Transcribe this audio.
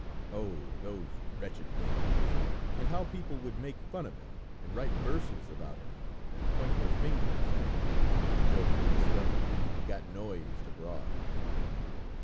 Oh! those wretched girls, and how people would make fun of him and write verses about him, and point their fingers at him, if the joke were discovered and got noised abroad!